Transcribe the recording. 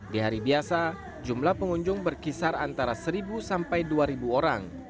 di hari biasa jumlah pengunjung berkisar antara seribu sampai dua orang